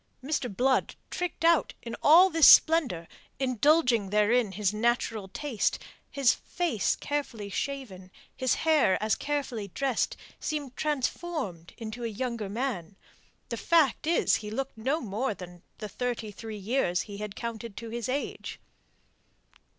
Mr. Blood tricked out in all this splendour indulging therein his natural taste his face carefully shaven, his hair as carefully dressed, seemed transformed into a younger man. The fact is he looked no more than the thirty three years he counted to his age.